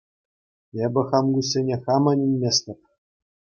Эпӗ хам куҫсене хам ӗненместӗп.